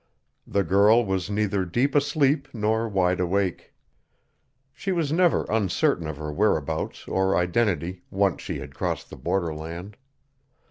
The girl was neither deep asleep nor wide awake. She was never uncertain of her whereabouts or identity, once she had crossed the border land.